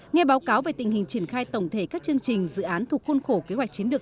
nghe báo cáo về tình hình triển khai tổng thể các chương trình dự án thuộc khuôn khổ kế hoạch chiến lược